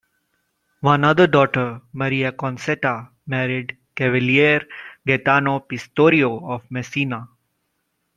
One other daughter, Maria Concetta, married Cavaliere Gaetano Pistorio of Messina.